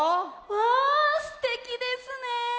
あすてきですね！